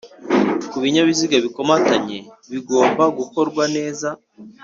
ku binyabiziga bikomatanye bigomba gukorwa neza